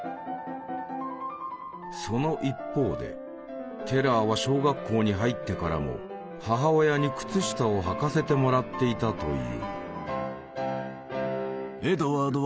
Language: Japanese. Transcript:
その一方でテラーは小学校に入ってからも母親に靴下を履かせてもらっていたという。